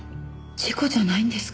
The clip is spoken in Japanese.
事故じゃないんですか？